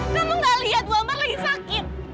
nunggu gak lihat bu amar lagi sakit